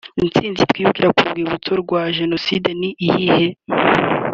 Intsinzi twibukira ku rwibutso rwa jenoside ni iyihe